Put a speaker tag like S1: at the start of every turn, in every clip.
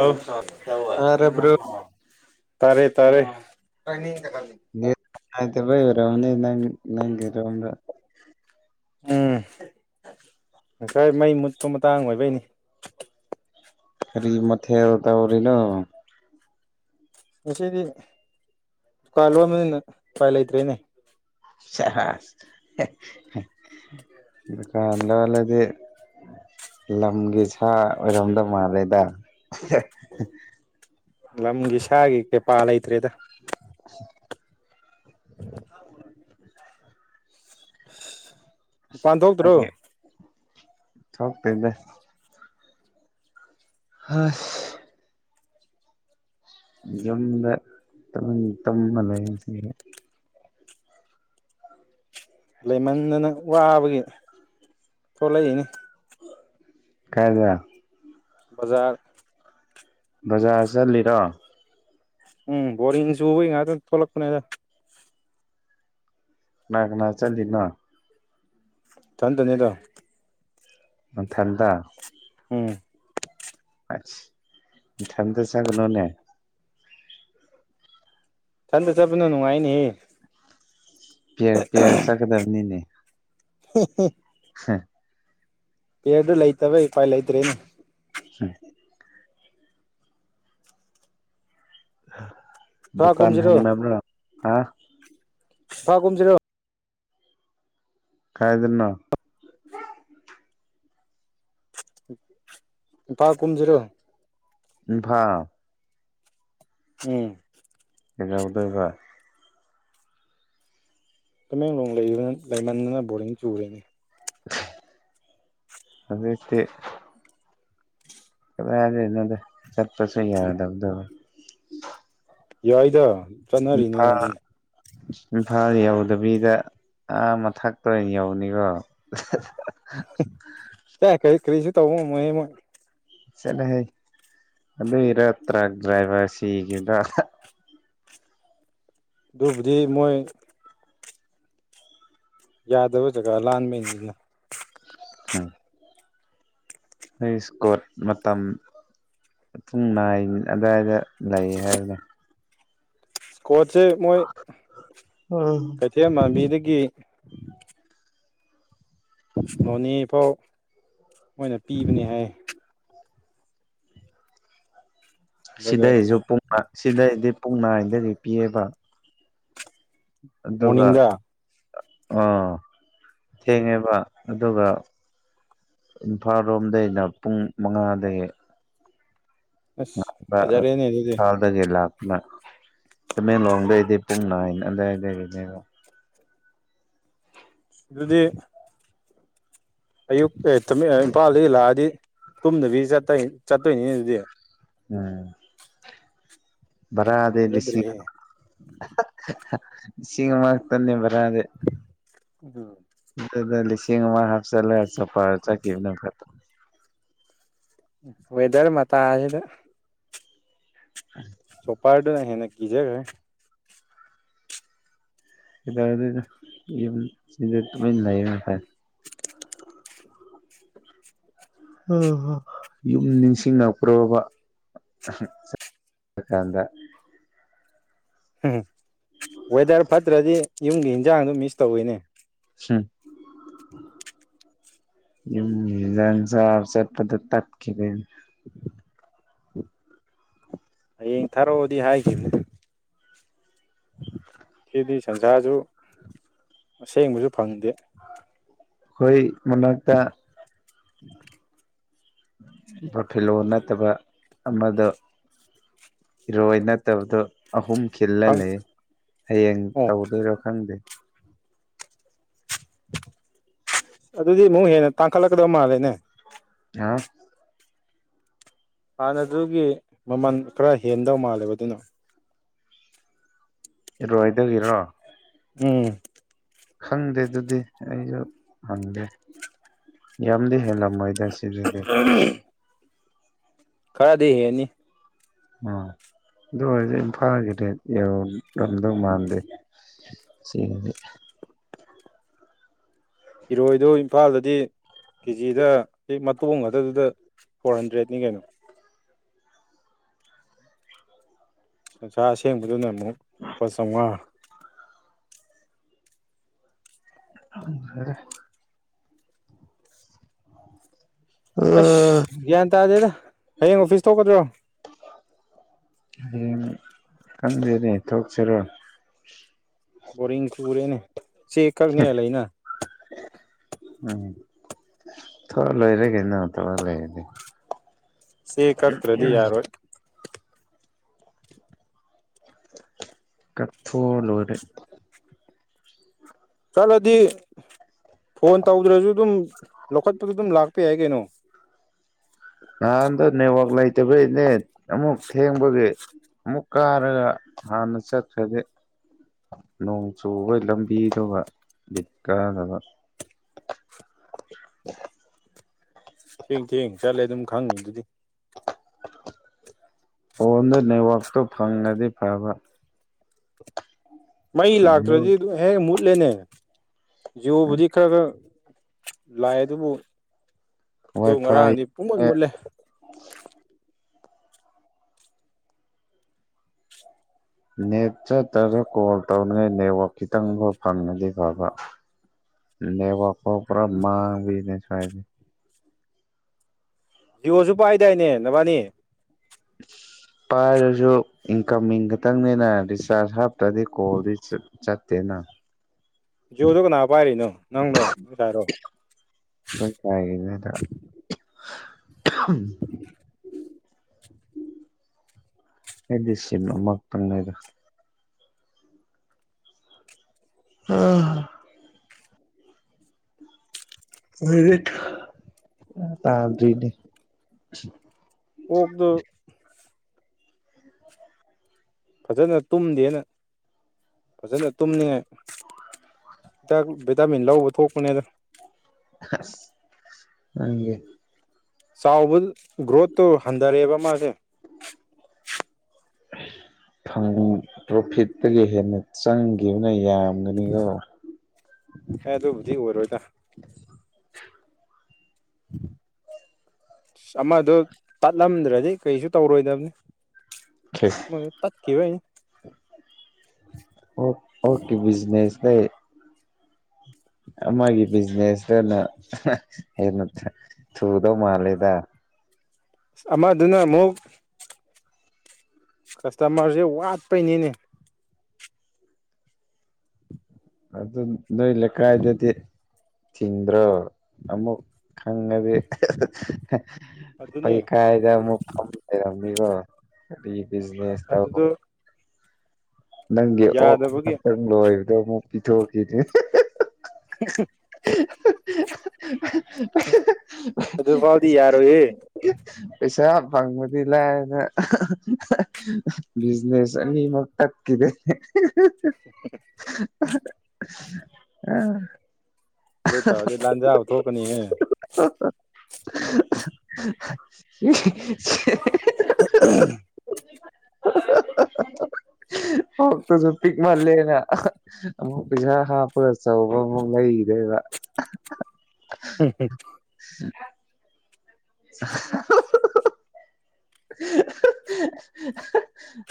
S1: ꯑ
S2: ꯇꯥꯔꯕ꯭ꯔꯣ
S1: [unintelligible] ꯇꯔꯦ ꯇꯔꯦ [inaudible]
S2: ꯅꯦꯠ ꯌꯥꯗꯕꯩꯔ ꯇꯧꯅꯤ ꯅꯪ ꯅꯪꯒꯤꯔꯣꯝꯕ
S1: ꯎꯝ ꯉꯁꯥꯏ ꯃꯩ ꯃꯨꯠꯄ ꯃꯇꯥꯡ ꯑꯣꯏꯕꯩꯅꯤ
S2: ꯀꯔꯤ ꯃꯊꯦꯜ ꯇꯧꯔꯤꯅꯣ
S1: ꯉꯁꯤꯗꯤ ꯗꯨꯀꯥꯟ ꯂꯣꯟꯕꯅꯤꯅ ꯎꯄꯥꯏ ꯂꯩꯇ꯭ꯔꯦꯅꯦ
S2: ꯁꯦꯖ ꯍꯦ ꯍꯦ ꯗꯨꯀꯥꯟ ꯂꯣꯜꯂꯗꯤ ꯂꯝꯒꯤ ꯁꯥ ꯑꯣꯏꯔꯝꯗꯧ ꯃꯥꯜꯂꯦꯗ ꯑꯍꯦ
S1: ꯂꯝꯒꯤ ꯁꯥꯒꯤ ꯀꯦꯄꯥꯥ ꯂꯩꯇ꯭ꯔꯦꯗ
S2: [inaudible]
S1: [unintelligible] ꯃꯄꯥꯟ ꯊꯣꯛꯇ꯭ꯔꯣ
S2: ꯑꯩꯗꯤ ꯊꯣꯛꯇꯦꯗ ꯍꯁ ꯌꯨꯝꯗ ꯇꯨꯝ ꯇꯨꯝꯃ ꯂꯩꯁꯤꯌꯦ
S1: ꯂꯩꯃꯟꯗꯅ ꯋꯥꯕꯒꯤ ꯊꯣꯛꯂꯛꯏꯅꯤ
S2: ꯀꯥꯢꯗ
S1: ꯕꯖꯥꯔ
S2: ꯕꯖꯥꯔ ꯆꯠꯂꯤꯔꯣ
S1: ꯎꯝ ꯕꯣꯔꯤꯡ ꯆꯨꯕꯩ ꯉꯥꯛꯇꯪ ꯊꯣꯛꯂꯛꯄꯅꯦꯗ
S2: ꯀꯅꯥ ꯀꯅꯥ ꯆꯠꯂꯤꯅꯣ
S1: ꯏꯊꯟꯗꯅꯤꯗ
S2: ꯅꯊꯟꯗ
S1: ꯎꯝ
S2: ꯑꯁ ꯏꯊꯟꯗ ꯆꯠꯀꯅꯣꯅꯦ
S1: ꯏꯊꯟꯇ ꯆꯠꯄꯥꯅ ꯅꯨꯡꯉꯥꯏꯅꯤꯍꯦ
S2: ꯄꯤꯌ꯭ꯔ ꯄꯤꯌ꯭ꯔ ꯆꯠꯀꯗꯥꯃꯤꯅꯤꯅꯦ
S1: ꯍꯤ ꯍꯤ
S2: ꯍꯥ
S1: ꯄꯤꯌꯥꯔꯗꯨ ꯂꯩꯇꯕꯩ ꯎꯄꯥꯏ ꯂꯩꯇ꯭ꯔꯦꯅꯦ
S2: ꯎ ꯑ
S1: ꯏꯝꯐꯥꯜ
S2: ꯗꯨꯀꯥꯟ
S1: ꯀꯨꯝꯁꯤꯔꯣ
S2: ꯍꯥꯡꯅꯕ꯭ꯔꯣ ꯑꯥ
S1: ꯐꯥ ꯀꯨꯝꯁꯤꯔꯣ
S2: ꯀꯥꯏꯗꯅꯣ
S1: ꯏꯝꯐꯥꯜ ꯀꯨꯨꯝꯖꯦ ꯔꯣ
S2: ꯏꯝꯐꯥꯜ
S1: ꯎꯝ
S2: ꯀꯩ ꯗꯧ ꯗꯣꯏꯕ
S1: ꯇꯃꯦꯡꯂꯣꯡ ꯂꯩꯕ ꯂꯩꯃꯟꯅ ꯕꯣꯔꯗꯤꯡ ꯆꯨꯔꯦꯅꯦ
S2: ꯑꯗꯨꯏ ꯇꯤ ꯀꯗꯥꯏ ꯗꯩꯅꯣ ꯗ ꯆꯠꯄ ꯁꯨ ꯌꯥꯗꯕ ꯗꯣ
S1: ꯌꯥꯏꯗ ꯆꯠꯅꯔꯤꯅꯦ
S2: ꯏꯝꯐꯥꯜ
S1: ꯑꯗꯨꯝ
S2: ꯏꯝꯐꯥꯜ ꯌꯥꯎ ꯗ ꯕꯤꯗ ꯑꯥ ꯃꯊꯥꯛꯇ ꯑꯣꯏꯅ ꯌꯧꯅꯤꯀꯣ
S1: ꯆ ꯀꯔꯤ ꯀꯔꯤꯁꯨ ꯇꯧꯕ ꯉꯝꯃꯣꯏ ꯍꯦ ꯃꯣꯏ
S2: ꯆꯠꯂꯥ ꯍꯦ ꯑꯗꯨꯏꯔꯥ ꯇ꯭ꯔꯛ ꯗ꯭ꯔꯥꯏꯕꯔ ꯑꯃꯥ ꯁꯤꯒꯤꯗ
S1: ꯗꯨꯕꯨꯗꯤ ꯃꯣꯏ ꯌꯥꯗꯕ ꯖꯒꯥ ꯂꯥꯟꯕꯥꯟꯕꯅꯤꯅ
S2: ꯎꯝ ꯑꯩ ꯏꯁ꯭ꯀꯣꯔꯠ ꯃꯇꯝ ꯄꯨꯡ ꯏ ꯑꯗꯨꯋꯥꯏꯗ ꯂꯩ ꯍꯥꯏꯕꯗ
S1: ꯀꯣꯠꯁꯦ ꯃꯣꯏ
S2: ꯎꯝ
S1: ꯀꯩꯊꯦꯜ ꯃꯕꯤꯗꯒꯤ ꯒꯤ ꯅꯣꯅꯦ ꯐꯥꯎ ꯃꯣꯏꯅ ꯄꯤꯕꯅꯦ ꯍꯥꯏ ꯑꯗꯨꯒ
S2: ꯁꯤꯗꯩꯁꯨ ꯄꯨꯡ ꯁꯤꯗꯩꯗꯤ ꯄꯛ ꯅꯥꯏꯗꯒꯤ ꯄꯤꯑꯕ ꯑꯗꯨꯒ
S1: ꯃꯣꯔꯅꯤꯡꯗ
S2: ꯑꯥ ꯊꯦꯡꯉꯦꯕ ꯑꯗꯨꯒ ꯏꯝꯐꯥꯜ ꯔꯣꯝꯗꯩꯅ ꯄꯨꯡ ꯃꯉꯥꯗꯒꯤ
S1: ꯑꯁ ꯐꯖꯔꯦꯅꯦ ꯑꯗꯨꯗꯤ
S2: ꯆꯗꯒꯦꯂ ꯇꯃꯦꯡꯂꯣꯡꯗꯩꯗꯤ ꯄꯨꯡ ꯅꯥꯏꯟ ꯑꯗꯨꯋꯥꯏꯗꯒꯤꯅꯦꯕꯣ
S1: ꯑꯗꯨꯗꯤ ꯑꯌꯨ ꯑꯦꯝ ꯏꯝꯐꯥꯜꯗꯒꯤ ꯂꯥꯛꯑꯗꯤ ꯇꯨꯝꯗꯕꯤ ꯆ ꯆꯠꯇꯣꯏꯅꯤ ꯑꯗꯨꯗꯤ
S2: ꯎꯝ ꯕꯔꯗꯤ ꯂꯤꯁꯤꯡ
S1: ꯐꯖꯗ꯭ꯔꯦꯍꯦ
S2: ꯁꯤꯡꯒꯃꯥꯛꯇꯅꯤꯕ
S1: ꯎꯝ
S2: ꯦ ꯁꯤꯃ ꯍꯥꯞꯆꯂ ꯆ ꯐ ꯆ ꯀ ꯅ ꯐ
S1: ꯋꯦꯗꯔ ꯃꯆꯥ ꯍꯥꯏꯗ
S2: ꯎꯝ
S1: ꯁꯣꯄꯔꯗꯅ ꯍꯦ ꯅꯒꯤꯖꯦꯒꯥꯏ
S2: ꯀꯗ ꯌꯗ ꯂ ꯂꯩꯌꯦ ꯐꯔꯦ ꯌꯨꯝ ꯅꯤꯡꯁꯤꯡꯉꯛꯄ꯭ꯔꯣꯕ ꯆꯀꯥꯟꯗ
S1: ꯍꯝ ꯑꯣꯏꯋꯗꯔ ꯐꯠꯇ꯭ꯔꯗꯤ ꯌꯨꯝꯒꯤ ꯍꯟꯖꯥꯡꯗꯣ ꯃꯤꯁ ꯇꯧꯋꯤꯅꯦ
S2: ꯎꯝꯖꯁ ꯑꯆꯠ ꯄꯗ ꯇꯀꯤꯗ
S1: ꯍꯌꯦꯡ ꯊꯥꯔꯛꯑꯣꯗꯤ ꯍꯥꯏꯈꯤꯕꯅꯦ ꯁꯤꯗꯤ ꯁꯟꯁꯥꯁꯨ ꯑꯁꯦꯡꯕꯁꯨ ꯐꯪꯗꯦ
S2: ꯍꯣꯏ ꯃꯅꯛꯇ
S1: ꯎꯝ
S2: ꯕꯣꯐꯤꯂꯣ ꯅꯠꯇꯕ ꯑꯃꯗꯣ ꯏꯔꯣꯏ ꯅꯠꯇꯕꯗꯣ ꯑꯍꯨꯝ ꯈꯤꯜꯂ
S1: ꯐꯪ
S2: ꯂꯩ ꯍꯌꯦꯡ
S1: ꯑꯣ
S2: ꯇꯧꯗꯣꯏꯔꯣ ꯈꯪꯗꯦ
S1: ꯑꯗꯨꯗꯤ ꯑꯃꯨꯛ ꯍꯦꯟꯅ ꯇꯥꯡꯈꯠꯂꯛꯀꯗꯕ ꯃꯥꯜꯂꯦꯅꯦ
S2: ꯑ
S1: ꯍꯥꯟꯅꯗꯨꯒꯤ ꯃꯃꯜ ꯈꯔ ꯍꯦꯟꯗꯧ ꯃꯥꯜꯂꯦꯕ ꯑꯗꯨꯅ
S2: ꯔꯣꯏꯗꯗꯒꯤꯔꯣ
S1: ꯎꯝ
S2: ꯈꯪꯗꯦ ꯑꯗꯨꯗꯤ ꯑꯩꯁꯨ ꯍꯪꯗꯦ ꯌꯥꯝꯗꯤ ꯍꯦꯜꯂꯝꯃꯣꯏꯗ ꯁꯤꯗꯗꯤ
S1: ꯎꯝ ꯈꯔꯗꯤ ꯍꯦꯅꯤ
S2: ꯑꯣ ꯑꯗꯨꯁ ꯏꯝ ꯐꯥꯒꯗꯦ ꯉꯝꯗꯧ ꯃꯥꯟꯗꯦ ꯁꯤ
S1: ꯏꯔꯣꯏꯗꯨꯣ ꯏꯝꯐꯥꯜꯗꯗꯤ ꯀꯦꯖꯤꯗ ꯃꯇ ꯈꯛꯇꯗꯨꯗ ꯐꯣꯔ ꯍꯟꯗ꯭ꯔꯦꯠꯅꯤ ꯀꯩꯅꯣ ꯁꯟꯁ꯭ꯔꯥ ꯑꯁꯦꯡꯕꯗꯨꯅ ꯑꯃꯨꯛ ꯂꯨꯄꯥ ꯆꯥꯝꯃꯉꯥ
S2: ꯑ ꯐꯔꯦ
S1: ꯑꯁ ꯒ꯭ꯌꯥꯟ ꯇꯥꯗꯦꯗ ꯍꯌꯦꯡ ꯑꯣꯐꯤꯁ ꯊꯣꯛꯀꯗ꯭ꯔꯣ
S2: ꯍꯌꯦꯡ ꯈꯟꯖꯔꯤ ꯊꯣꯛꯁꯤꯔꯣ
S1: ꯕꯔꯤꯁꯨ ꯄꯔꯦꯅꯦ ꯁꯤ ꯀꯛꯅꯦ ꯂꯩꯅꯥ
S2: ꯎꯝ ꯊ ꯂ ꯏꯔꯒꯦ ꯅ ꯊꯂꯒ ꯂꯩꯦ
S1: ꯁꯤꯦ ꯀꯥꯛꯇ꯭ꯔꯗꯤ ꯌꯥꯔꯣ
S2: ꯀꯊꯣꯛ ꯑꯥ‌ ꯂꯣꯏꯔꯦ
S1: ꯆꯠꯂꯗꯤ ꯐꯣꯟ ꯇꯧꯗ꯭ꯔꯁꯨ ꯑꯗꯨꯝ ꯂꯧꯈꯠꯄꯗ ꯑꯗꯨꯝ ꯂꯥꯛꯄ ꯌꯥꯏ ꯀꯩꯅꯣ
S2: ꯇꯦꯕ꯭ꯂꯦꯠꯅꯦ ꯑꯃꯨꯛ ꯊꯦꯡꯕꯒꯤ ꯑꯃꯨꯛ ꯀꯥꯔꯒ ꯍꯥꯟꯅ ꯆꯠꯈ꯭ꯔꯗꯤ ꯅꯣꯡ ꯆꯨꯕꯒꯤ ꯂꯝꯕꯤꯗꯨꯒ ꯕꯤꯠ ꯀꯥꯗꯕ
S1: ꯊꯦꯡ ꯊꯦꯡ ꯆꯠꯂꯦ ꯑꯗꯨꯝ ꯈꯪꯉꯤ ꯑꯗꯨꯗꯤ
S2: ꯐꯣꯟꯗ ꯅꯦꯠꯋꯥꯛꯛꯇꯣ ꯐꯪꯉꯗꯤ ꯐꯕ
S1: ꯃꯩ ꯂꯥꯛꯇ꯭ꯔꯣꯖꯤ ꯑꯗꯨ ꯍꯦ ꯂꯅꯦ ꯌꯕꯗꯤ ꯈꯔ ꯂꯥꯏ ꯑꯗꯨꯕꯨ ꯑꯗꯨ
S2: ꯋꯥꯏ ꯐꯥꯏ
S1: ꯉꯔꯥꯡꯗꯤ ꯄꯨꯡ ꯃꯟ ꯃꯨꯠꯂꯦ
S2: ꯅꯦꯠ ꯆꯠꯇꯒ ꯀꯣꯜ ꯇꯧꯅꯤꯉꯥꯏ ꯅꯦꯠꯋꯥꯛ ꯈꯤꯇꯪꯐꯥꯎ ꯐꯪꯅꯗꯦ ꯐꯕ ꯅꯦꯠꯋꯥꯛ ꯐꯥꯎ ꯄꯨꯔꯥ ꯃꯥꯡꯕꯤꯅꯦ ꯁꯋꯥꯏꯗꯤ
S1: ꯖꯤꯑꯣꯁꯨ ꯄꯥꯏꯗꯥꯏꯅꯦ ꯅꯕꯥꯅꯤ
S2: ꯄꯥꯏꯔꯁꯨ ꯏꯟꯀꯝꯃꯤꯡ ꯈꯇꯪꯅꯦꯅ ꯔꯤꯆꯥꯔꯖ ꯇꯗꯤ ꯀꯣꯂꯦꯖ ꯆꯠꯇꯦꯅ
S1: ꯌꯨꯗꯨ ꯀꯅꯥ ꯄꯥꯏꯔꯤꯅꯣ ꯅꯪꯗꯣ ꯎꯗꯥꯔꯣ
S2: ꯍ ꯝ ꯗꯤꯁꯃ ꯐꯗ ꯑꯝ ꯑꯣꯏ ꯇꯥꯗꯅꯦ
S1: ꯑꯣꯗ ꯐꯖꯅ ꯇꯨꯝꯗꯦꯅ ꯐꯖꯅ ꯇꯨꯝꯅꯤꯡꯉꯥꯏ ꯚꯤꯇꯥꯃꯤꯟ ꯂꯧꯕ ꯊꯣꯛꯄꯅꯦꯅ
S2: ꯅꯪꯒꯤꯦ
S1: ꯆꯥꯎꯕ ꯒ꯭ꯔꯣꯠꯇꯨ ꯍꯟꯊꯔꯛꯑꯦꯕ ꯃꯥꯁꯦ
S2: ꯄ꯭ꯔꯣꯐꯤꯠꯇꯒꯤ ꯍꯦꯟꯅ ꯆꯪꯈꯤꯕꯅ ꯌꯥꯝ ꯅꯤꯒꯣ
S1: ꯑꯦ ꯑꯗꯨꯕꯨꯗꯤ ꯑꯣꯏꯔꯣꯏꯗ ꯑ ꯑꯃꯗꯣ ꯇꯠꯂꯝꯗ꯭ꯔꯗꯤ ꯀꯩꯁꯨ ꯇꯧꯔꯣꯏꯗꯕꯅꯤ ꯃ ꯇꯥꯛꯀꯤ
S2: ꯑꯣ ꯑꯣꯀꯦ ꯕꯤꯖꯤꯅꯦꯁ ꯂꯩ ꯑꯃꯒꯤ ꯕꯤꯖꯤꯅꯦꯁꯇꯅ ꯍꯦꯟꯅ ꯊꯨꯗꯧ ꯃꯥꯜꯂꯦꯗ
S1: ꯑ ꯑꯃꯗꯨꯅ ꯑꯃꯨꯛ ꯀꯁꯇꯃꯔꯁꯦ ꯋꯥꯠꯄꯩꯅꯤꯅꯦ
S2: ꯑꯗꯨꯗꯤ ꯅꯣꯏ ꯂꯩ ꯀꯥꯏꯗꯗꯤ ꯆꯤꯟꯗ꯭ꯔꯣ ꯑꯃꯨꯛ ꯈꯪꯉꯗꯤ
S1: ꯑꯗꯨꯅꯦ
S2: ꯄꯩ ꯀꯥꯏꯗ ꯑꯃꯨꯛ ꯐꯔ ꯒ ꯑꯗꯨ ꯕꯤꯖꯤꯅꯦꯁ
S1: ꯑꯗꯨꯗꯣ
S2: ꯅꯪꯦ ꯑꯣ
S1: ꯌꯥꯗꯕꯒꯤ
S2: ꯑꯣꯏ ꯗ ꯃꯨ ꯄꯤꯊꯣꯛ ꯀꯗꯤ
S1: [inaudible]
S2: [inaudible]
S1: ꯑꯗꯨ ꯐꯥꯎꯗꯤ ꯌꯥꯔꯣ
S2: ꯄꯩꯁꯥ ꯐꯪꯕꯗꯤ ꯂꯥꯏꯅ ꯕꯤꯖꯤꯅꯦꯁ ꯑꯅꯤꯃꯛꯇ ꯀꯗ
S1: [inaudible]
S2: ꯑ
S1: ꯂ ꯇꯖꯤ ꯂꯗꯥꯥꯟꯖꯕ ꯊꯣꯛ ꯀꯅꯤ
S2: [inaudible]
S1: ꯎꯝ
S2: ꯑꯃꯨꯛꯇꯁꯨ ꯄꯤꯛ ꯃꯥꯜꯂꯦꯅ ꯑꯃꯨꯛ ꯄꯩꯁꯥ ꯍꯥꯞꯄꯒ ꯆꯕ ꯑꯃꯨꯛ ꯂꯩ ꯦꯗ
S1: ꯍꯝ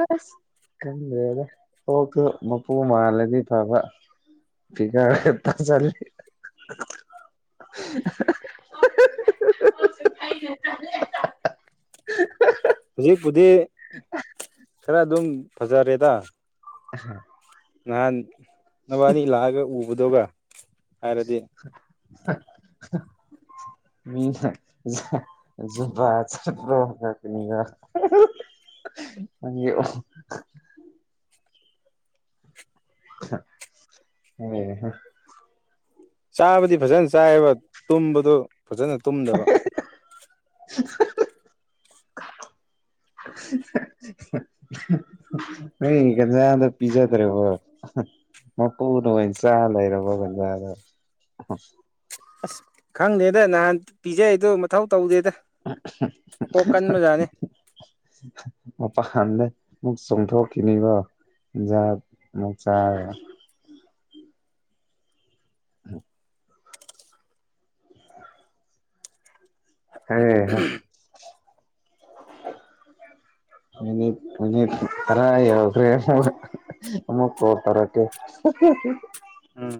S2: ꯑꯁ ꯈꯜꯂꯦꯗ ꯀꯣꯛꯁꯨ ꯃꯄꯨ ꯃꯥꯜꯂꯗꯤ ꯐꯕ ꯐꯤꯀꯥꯔ ꯍꯦꯛꯇ ꯆꯂ [inaudible]
S1: ꯐꯔ ꯑꯗꯨꯝ ꯐꯖꯔꯦꯗ
S2: ꯎꯝ
S1: ꯅꯥꯍꯟ ꯅꯕꯥꯟꯅꯤ ꯂꯛꯑꯒ ꯎꯗꯒ ꯍꯥꯏꯔꯗꯤ
S2: [unintelligible] ꯍꯩ ꯍꯩ
S1: ꯆꯥꯕꯗꯤ ꯐꯖꯦꯟ ꯆꯥꯏꯕ ꯇꯨꯝꯕꯗꯨ ꯐꯖꯅ ꯇꯨꯝꯗꯕ
S2: [inaudible] ꯅꯪ ꯒꯟꯖꯥꯗ ꯄꯤꯖꯗ꯭ꯔꯦꯕ ꯃꯄꯨꯅ ꯑꯣꯏꯅ ꯆꯥ ꯂꯩꯔꯕꯣ ꯒꯟꯖꯥꯗ
S1: ꯑꯁ ꯈꯪꯗꯦꯗ ꯅꯍꯥꯟ ꯄꯤꯖꯩꯗꯣ ꯃꯊꯧ ꯇꯧꯗꯦꯗ ꯃꯀꯣꯛ ꯀꯟꯕꯖꯥꯠꯅꯤ
S2: [unintelligible] ꯃꯨ ꯆꯣꯡꯊꯣ ꯀꯅꯤꯕ ꯌꯥꯥ ꯃ ꯆꯥ [inaudible] ꯍꯩꯍꯥ ꯃꯤ ꯃꯤꯅꯤꯠ ꯇꯔ ꯌꯧꯈꯔꯦ ꯑꯃꯨꯛꯀꯣꯇꯧꯔꯛꯀꯦ꯫
S1: ꯎꯝ